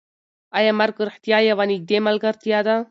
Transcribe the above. ایا مرګ رښتیا یوه نږدې ملګرتیا ده؟